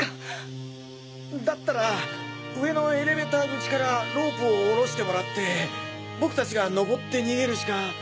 だったら上のエレベーター口からロープを下ろしてもらって僕達が上って逃げるしか。